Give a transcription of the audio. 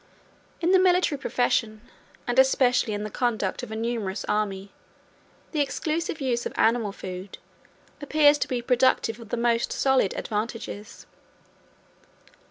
In the military profession, and especially in the conduct of a numerous army, the exclusive use of animal food appears to be productive of the most solid advantages.